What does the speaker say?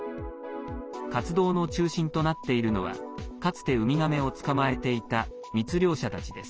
活動の中心となっているのはかつて、ウミガメを捕まえていた密漁者たちです。